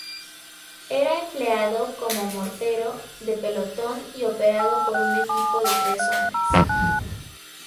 Era empleado como mortero de pelotón y operado por un equipo de tres hombres.